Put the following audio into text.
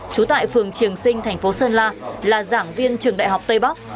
chú tại phường triềng sinh thành phố sơn la là giảng viên trường đại học tây bóc